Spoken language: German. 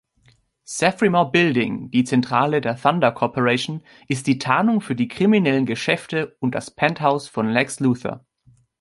„Zephrymore Building“, die Zentrale der Thunder Corporation, ist die Tarnung für die kriminellen Geschäfte und das Penthouse von Lex Luthor.